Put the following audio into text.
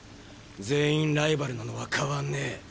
全員ライバルなのは変わんね。